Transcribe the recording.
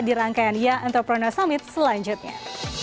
di rangkaian young entrepreneur summit selanjutnya